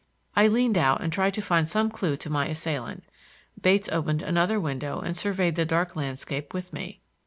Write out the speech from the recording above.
I leaned out and tried to find some clue to my assailant. Bates opened another window and surveyed the dark landscape with me.